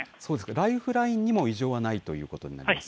ライフラインにも異常はないということになりますか。